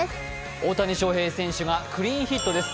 大谷翔平選手がクリーンヒットです。